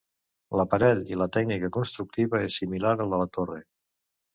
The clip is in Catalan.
L'aparell i la tècnica constructiva és similar al de la torre.